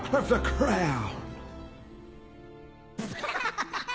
ハハハ！